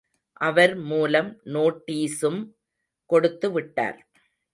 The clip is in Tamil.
அவர் மூலம் நோட்டீசும் கொடுத்து விட்டார்.